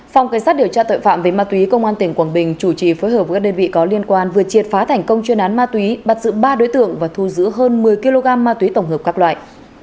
phòng cảnh sát điều tra tội phạm về ma túy công an tỉnh quảng bình chủ trì phối hợp với các đơn vị có liên quan vừa triệt phá thành công chuyên án ma túy bắt giữ ba đối tượng và thu giữ hơn một mươi kg ma túy tổng hợp các loại